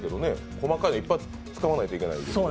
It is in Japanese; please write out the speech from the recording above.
細かいのいっぱい使わないといけないから。